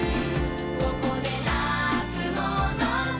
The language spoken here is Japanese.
「ここで泣くものか」